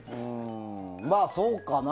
まあそうかな。